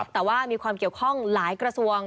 แต่ว่ามีความเกี่ยวข้องหลายกระทรวง